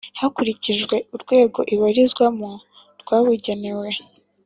hakurikijwe urwego ibarizwamo rwabugenewe